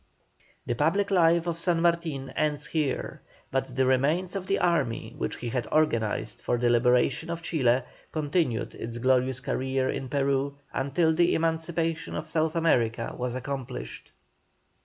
The public life of San Martin ends here, but the remains of the army which he had organized for the liberation of Chile, continued its glorious career in Peru until the emancipation of South America was accomplished.